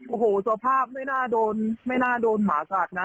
โอ้โหสภาพไม่น่าโดนหมากัดนะ